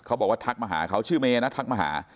เขาบอกว่าทักมาหาเขาชื่อเมนะทักมาหา